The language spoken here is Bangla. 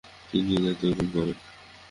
তিনি এর দায়িত্বগ্রহণ করেন।